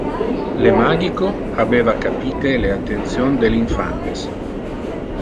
Le magico habeva capite le attention del infantes.